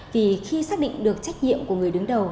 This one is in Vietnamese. vì khi xác định được trách nhiệm của người đứng đầu